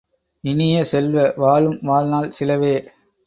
இனிய செல்வ, வாழும் வாழ்நாள் சிலவே!